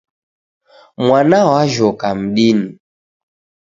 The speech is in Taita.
Mwana w'ajhoka mdini.